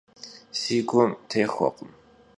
Si gum têxuekhım.